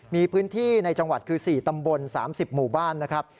มีพื้นที่ในจังหวัดคือ๔ตำบล๓๐หมู่บ้านนะครับ